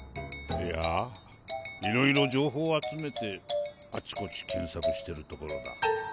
いやいろいろ情報集めてあちこち検索してるところだ。